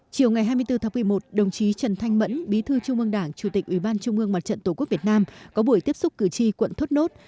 chiều ngày hai mươi bốn tháng một mươi một đồng chí trần thanh mẫn bí thư trung ương đảng chủ tịch ủy ban trung ương mặt trận tổ quốc việt nam có buổi tiếp xúc cử tri quận thốt nốt